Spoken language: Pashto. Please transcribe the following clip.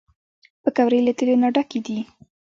پکورې له تیلو نه ډکې دي